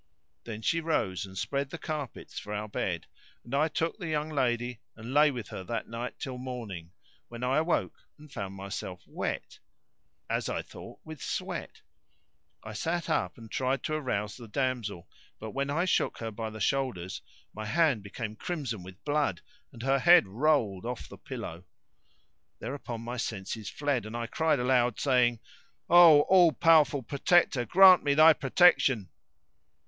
Then she rose and spread the carpets for our bed[FN#589] and I took the young lady and lay with her that night till morning, when I awoke and found myself wet, as I thought, with sweat. I sat up and tried to arouse the damsel; but when I shook her by the shoulders my hand became crimson with blood and her head rolled off the pillow. Thereupon my senses fled and I cried aloud, saying, "O All powerful Protector, grant me Thy protection!"